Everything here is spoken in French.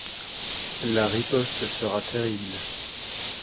La riposte sera terrible.